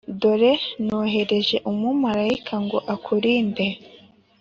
dore nohereje umumarayika ngo akurinde